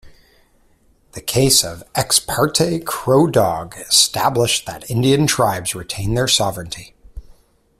The case of "Ex parte Crow Dog" established that Indian tribes retain their sovereignty.